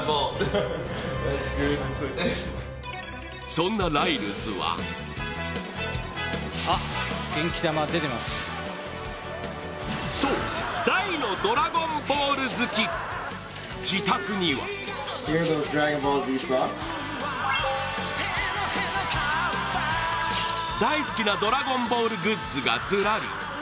そんなライルズはそう、大の「ドラゴンボール」好き自宅には大好きな「ドラゴンボール」グッズがずらり。